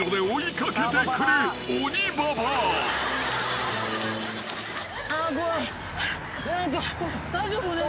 大丈夫？